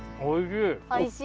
おいしい。